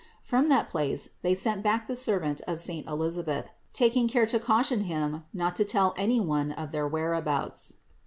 From that place they sent back the servant of saint Elisabeth, taking care to caution him not to tell any one of their whereabouts.